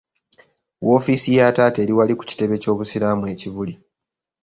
Woofiisi ya taata eri wali ku kitebe ky’Obusiraamu e Kibuli.